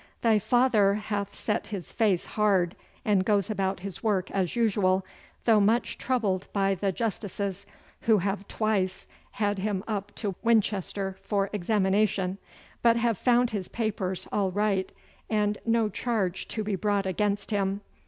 Thy father hath set his face hard, and goes about his work as usual, though much troubled by the Justices, who have twice had him up to Winchester for examination, but have found his papers all right and no charge to be brought against him.